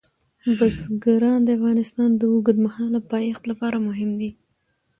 بزګان د افغانستان د اوږدمهاله پایښت لپاره مهم دي.